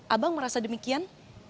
abang merasa demikian